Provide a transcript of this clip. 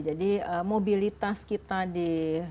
jadi mobilitas kita di